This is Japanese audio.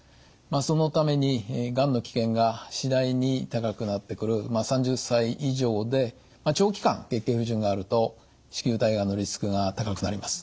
そのためにがんの危険が次第に高くなってくる３０歳以上で長期間月経不順があると子宮体がんのリスクが高くなります。